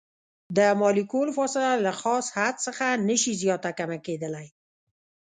د مالیکول فاصله له خاص حد څخه نشي زیاته کمه کیدلی.